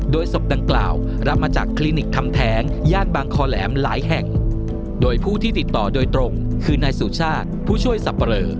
โดยศพดังกล่าวรับมาจากคลินิกคำแท้งย่านบางคอแหลมหลายแห่งโดยผู้ที่ติดต่อโดยตรงคือนายสุชาติผู้ช่วยสับปะเรอ